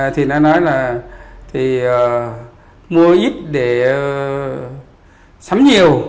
thì nó nói là mua ít để sắm nhiều